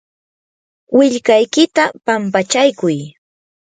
willkaykita pampachaykuy.